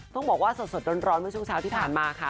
ต้องบอกว่าสดร้อนเมื่อช่วงเช้าที่ผ่านมาค่ะ